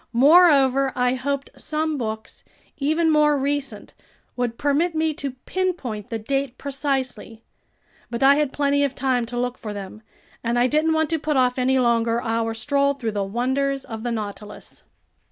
Moreover, I hoped some books even more recent would permit me to pinpoint the date precisely; but I had plenty of time to look for them, and I didn't want to put off any longer our stroll through the wonders of the Nautilus.